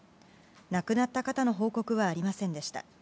亡くなった方の報告はありませんでした。